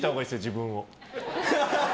自分を。